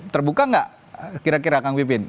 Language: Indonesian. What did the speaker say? terbuka gak kira kira kang bipin